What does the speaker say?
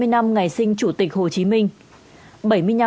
một trăm ba mươi năm ngày sinh chủ tịch hồ chí minh